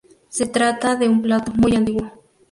Se trata de un plato muy antiguo.